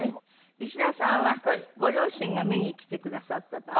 石田さんはご両親が見に来てくださった。